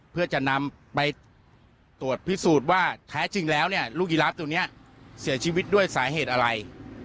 เพื่อจะนำไปตรวจพิสูจน์ว่าแท้จริงแล้วเนี่ยลูกยีราฟตัวนี้เสียชีวิตด้วยสาเหตุอะไร